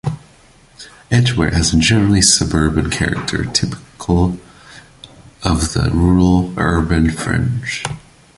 Edgware has a generally suburban character, typical of the rural-urban fringe.